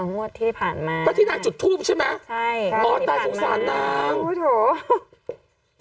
อ๋องวดที่ผ่านมาที่นางจุดทูปใช่ไหมใช่อ๋อตายสุขศาลนางโอ้โถ